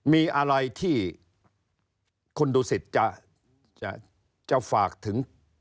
มีอะไรที่คนดูสิทธิ์จะฝากถึง